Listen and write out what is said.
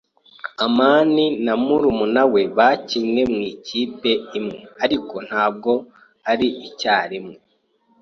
amani na murumuna we bakinnye mu ikipe imwe, ariko ntabwo ari icyarimwe.